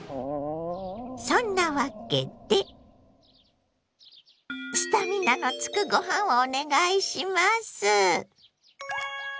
そんなわけでスタミナのつくご飯をお願いします。